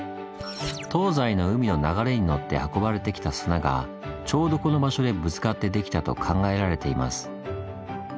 東西の海の流れに乗って運ばれてきた砂がちょうどこの場所でぶつかってできたと考えられています。